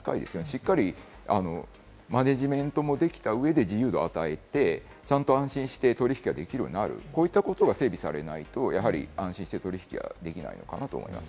しっかりマネジメントもできた上で自由度を与えて、ちゃんと安心して取引ができるようになる、こういったことが整備されないと安心して取引はできないのかなと思います。